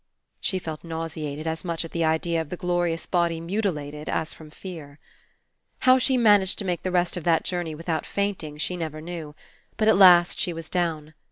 She felt nauseated, as much at the idea of the glorious body mutilated as from fear. How she managed to make the rest of the journey without fainting she never knew. But at last she was down.